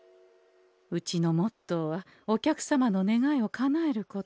うちのモットーはお客様の願いをかなえること。